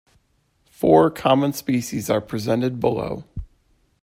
Four common species are presented below.